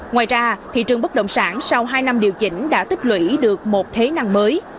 ngoài ra thị trường bất động sản sau hai năm điều chỉnh đã tích lũy được một thế năng mới